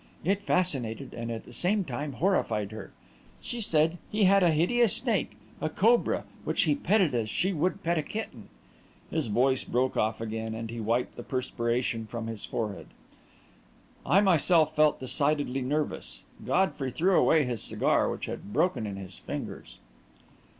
It fascinated and at the same time horrified her. She said he had a hideous snake, a cobra, which he petted as she would pet a kitten...." His voice broke off again, and he wiped the perspiration from his forehead. I myself felt decidedly nervous. Godfrey threw away his cigar, which had broken in his fingers.